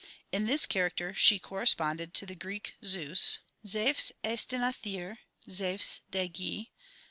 In this character she corresponded to the Greek Zeus ; Zevs eorti; al6r)p, Zeus 6e y?